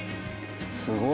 すごい。